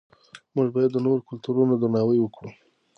موږ باید د نورو کلتورونو درناوی وکړو.